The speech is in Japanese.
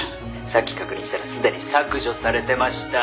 「さっき確認したらすでに削除されてました」